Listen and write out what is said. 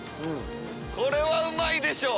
これはうまいでしょ！